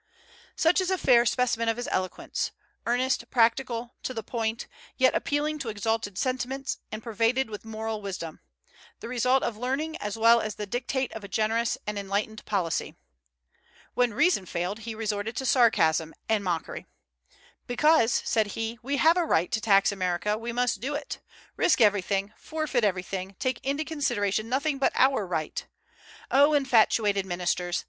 Such is a fair specimen of his eloquence, earnest, practical, to the point, yet appealing to exalted sentiments, and pervaded with moral wisdom; the result of learning as well as the dictate of a generous and enlightened policy. When reason failed, he resorted to sarcasm and mockery. "Because," said he, "we have a right to tax America we must do it; risk everything, forfeit everything, take into consideration nothing but our right. O infatuated ministers!